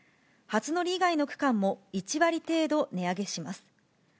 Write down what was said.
初乗り以外の区間も１割程度値上げします。